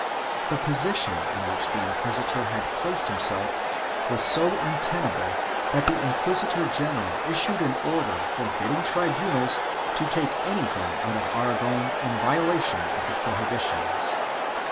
The position in which the inquisitor had placed himself was so untenable that the inquisitor general issued an order for bidding tribunals to take anything out of Aragon in violation of the prohibitions.